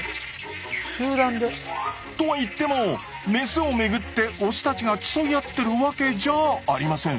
集団で？とはいってもメスを巡ってオスたちが競い合ってるわけじゃありません。